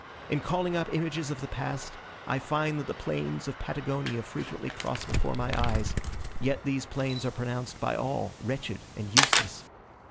In calling up images of the past, I find that the plains of Patagonia frequently cross before my eyes; yet these plains are pronounced by all wretched and useless.